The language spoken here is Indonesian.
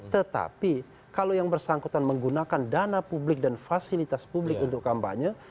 tetapi kalau yang bersangkutan menggunakan dana publik dan fasilitas publik untuk kampanye